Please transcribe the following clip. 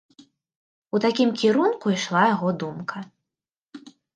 У такім кірунку ішла яго думка.